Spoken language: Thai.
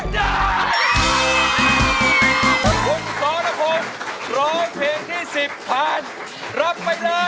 เจ้าเจ้า